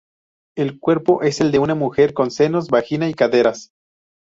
El cuerpo es el de una mujer, con senos, vagina y caderas.